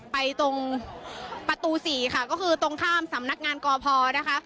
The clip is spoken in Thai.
ตรงประตู๔ค่ะก็คือตรงข้ามสำนักงานกพนะคะ